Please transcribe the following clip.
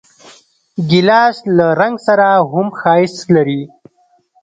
ګیلاس له رنګ سره هم ښایست لري.